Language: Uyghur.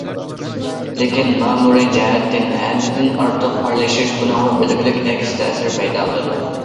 لېكىن مەمۇرىي جەھەتتىن ھەددىدىن ئارتۇق ئارىلىشىش بۇنىڭغا بەلگىلىك ئەكس تەسىر پەيدا قىلىدۇ.